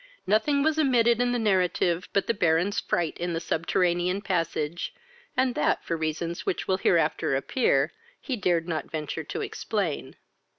Nothing was omitted in the narrative but the Baron's fright in the subterranean passage, and that for reasons which will hereafter appear, he dared not venture to explain.